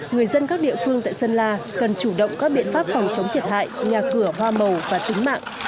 người dân các địa phương tại sơn la cần chủ động các biện pháp phòng chống thiệt hại nhà cửa hoa màu và tính mạng